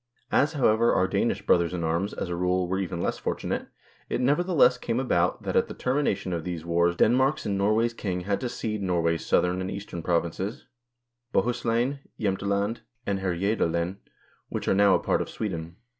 As, however, our Danish brothers in arms, as a rule, were even less fortunate, it nevertheless came about that at the termination of these wars Denmark's and Norway's king had to cede Norway's southern and eastern provinces, Bohuslan, Jemteland, and Herjedalen, which are now a part of Sweden.